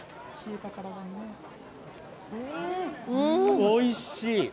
おいしい！